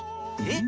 え？